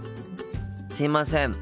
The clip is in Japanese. すいません。